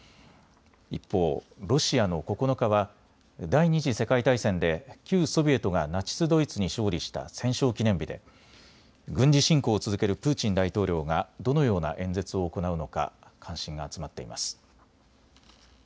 一方、ロシアの９日は第２次世界大戦で旧ソビエトがナチス・ドイツに勝利した戦勝記念日で軍事侵攻を続けるプーチン大統領がどのような演説を行うのか関心が集まっています。